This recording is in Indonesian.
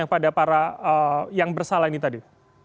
bagaimana menurut anda kepada para yang bersalah ini tadi